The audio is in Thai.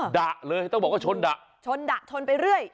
ดะเลยต้องบอกว่าชนดะชนดะชนไปเรื่อย